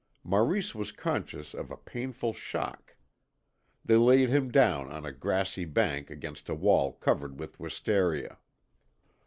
Maurice was conscious of a painful shock. They laid him down on a grassy bank against a wall covered with wistaria.